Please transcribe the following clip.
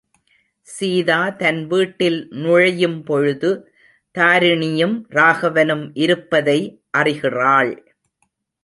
சீதா தன் வீட்டில் நுழையும் பொழுது, தாரிணியும் ராகவனும் இருப்பதை அறிகிறாள்.